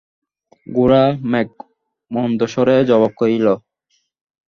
গোরা মেঘমন্দ্রস্বরে জবাব করিল।